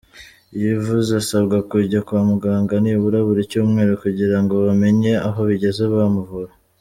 Uyivuza asabwa kujya kwa muganga nibura buri cyumweru kugira ngo bamenye aho bigeze bamuvura.